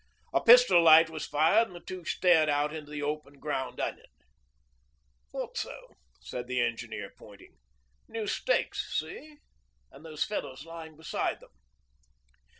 A pistol light was fired and the two stared out into the open ground it lit. 'Thought so,' said the Engineer, pointing. 'New stakes see? And those fellows lying beside 'em.'